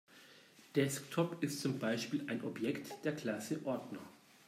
Desktop ist zum Beispiel ein Objekt der Klasse Ordner.